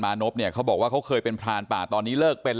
นพเนี่ยเขาบอกว่าเขาเคยเป็นพรานป่าตอนนี้เลิกเป็น